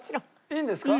いいんですか？